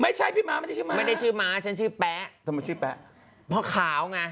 ไม่ใช่พี่ม้ามันชื่อม้าไม่ได้ชื่อม้าฉันชื่อแป๊ะ